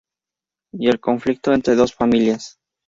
Y el conflicto entre dos familias.